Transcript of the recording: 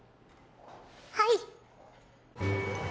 はい！